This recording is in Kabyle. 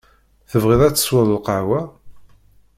Tebɣiḍ ad tesweḍ lqahwa?